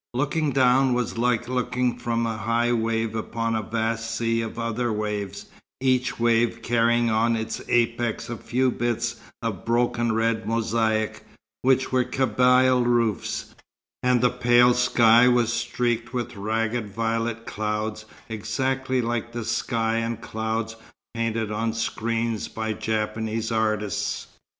Looking down was like looking from a high wave upon a vast sea of other waves, each wave carrying on its apex a few bits of broken red mosaic, which were Kabyle roofs; and the pale sky was streaked with ragged violet clouds exactly like the sky and clouds painted on screens by Japanese artists.